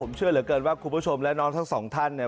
ผมเชื่อเหลือเกินว่าคุณผู้ชมและน้องทั้งสองท่านเนี่ย